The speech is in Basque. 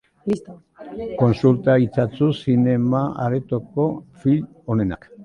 Kontsulta itzazu zinema-aretoetako film onenak.